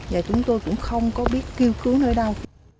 vậy chúng tôi cũng không có biết cứu cứu nơi đâu